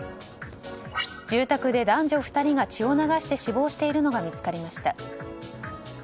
住宅で男女２人が血を流して死亡しているのが見つかりました。